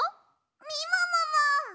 みももも！